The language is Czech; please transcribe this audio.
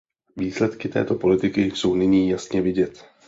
Výsledky této politiky jsou nyní jasně vidět.